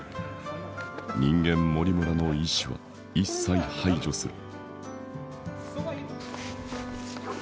人間森村の意思は一切排除する。